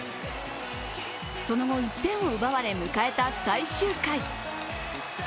その後、１点を奪われ迎えた最終回。